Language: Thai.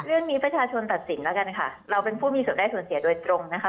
เรื่องนี้ประชาชนตัดสินแล้วกันค่ะเราเป็นผู้มีส่วนได้ส่วนเสียโดยตรงนะคะ